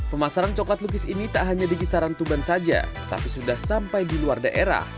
pemasaran coklat lukis ini tak hanya di kisaran tuban saja tapi sudah sampai di luar daerah